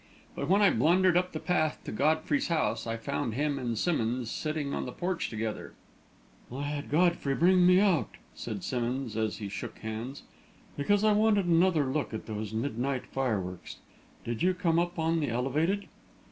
But when I blundered up the path to Godfrey's house, I found him and Simmonds sitting on the porch together. "I had Godfrey bring me out," said Simmonds, as he shook hands, "because I wanted another look at those midnight fireworks. Did you come up on the elevated?"